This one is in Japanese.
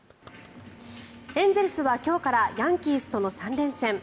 エンゼルスは今日からヤンキースとの３連戦。